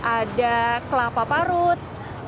ada kelapa parut